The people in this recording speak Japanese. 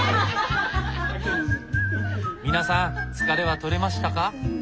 皆さん疲れは取れましたか？